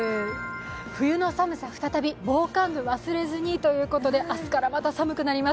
冬の寒さ再び、防寒具忘れずにということで明日からまた寒くなります。